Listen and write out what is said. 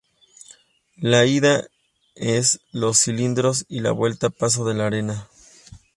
La ida es Los Cilindros y la vuelta Paso de la Arena.